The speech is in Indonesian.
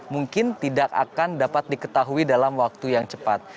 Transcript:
mungkin tidak akan dapat diketahui dalam waktu yang cepat